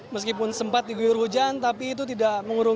meskipun sempat diguyur hujan tapi itu tidak mengurung